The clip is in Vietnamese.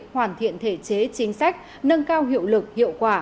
hoàn thiện thể chế chính sách nâng cao hiệu lực hiệu quả